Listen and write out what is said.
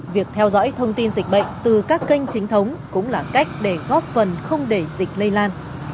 việc theo dõi thông tin dịch bệnh từ các kênh chính thống cũng là cách để góp phần không để dịch lây lan